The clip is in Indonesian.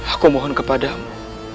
aku mohon kepadamu